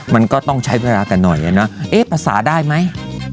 มันก็ต้องใช้เวลากันหน่อยนะเอ๊ะภาษาได้ไหม